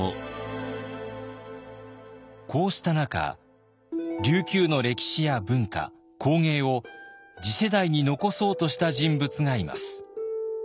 こうした中琉球の歴史や文化工芸を次世代に残そうとした人物がいます。